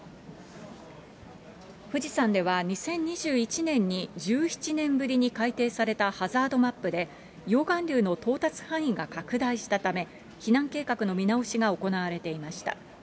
富士山では２０２１年に１７年ぶりに改定されたハザードマップで、溶岩流の到達範囲が拡大したため、避難計画の見直しが行われていました。